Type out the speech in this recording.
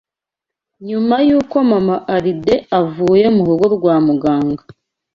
Nyuma y’uko Mama Alide avuye mu rugo rwa Muganga